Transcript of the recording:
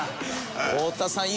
太田さん